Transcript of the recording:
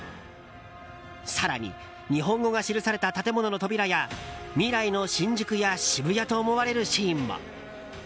更に日本語が記された建物の扉や未来の新宿や渋谷と思われるシーンも。